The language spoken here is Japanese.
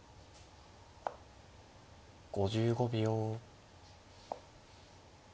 ５５秒。